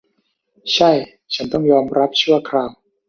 ใช่ฉันต้องยอมรับชั่วคราว